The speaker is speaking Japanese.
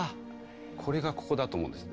これがここだと思うんですね。